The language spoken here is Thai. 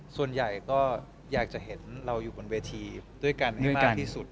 ส่วนใหญ่ก็อยากจะเห็นเราอยู่บนเวทีด้วยกันให้มากที่สุด